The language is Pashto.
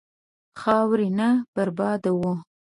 خاورې نه بربادوه.